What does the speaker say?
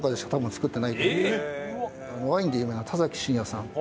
ワインで有名な田崎真也さん。